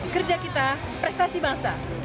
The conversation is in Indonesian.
kerja kita prestasi bangsa